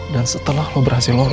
dan setelah lo berhasil lolos